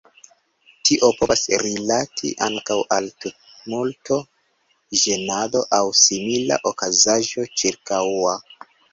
Tio povas rilati ankaŭ al tumulto, ĝenado aŭ simila okazaĵo ĉirkaŭa.